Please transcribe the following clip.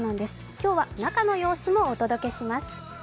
今日は中の様子もお届けします。